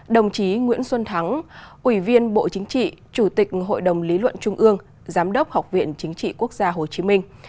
đồng chí nguyễn xuân thắng ủy viên bộ chính trị chủ tịch hội đồng lý luận trung ương giám đốc học viện chính trị quốc gia hồ chí minh